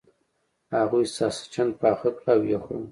هغوی ساسچن پاخه کړل او و یې خوړل.